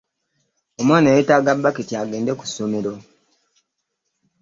Omwana yetaaga baketi agende ku ssomero.